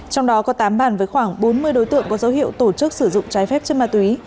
trong đó có tám bàn với khoảng bốn mươi đối tượng có dấu hiệu tổ chức sử dụng trái phép chất ma túy